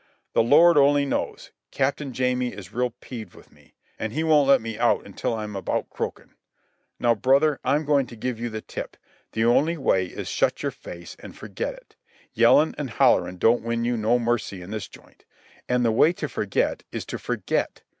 "The Lord only knows. Captain Jamie is real peeved with me, an' he won't let me out until I'm about croakin'. Now, brother, I'm going to give you the tip. The only way is shut your face an' forget it. Yellin' an' hollerin' don't win you no money in this joint. An' the way to forget is to forget.